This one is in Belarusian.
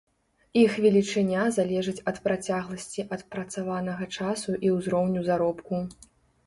Іх велічыня залежыць ад працягласці адпрацаванага часу і ўзроўню заробку.